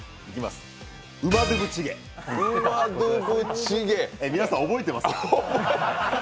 ウマドゥブチゲ、皆さん、覚えてますか？